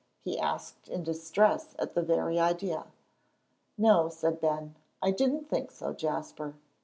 he asked in distress at the very idea. "No," said Ben, "I didn't think so, Jasper."